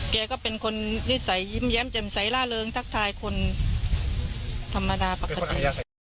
แกก็เป็นคนนิสัยยิ้มแย้มแจ่มใสล่าเริงทักทายคนธรรมดาปกติ